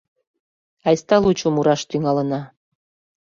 Айста лучо мураш тӱҥалына.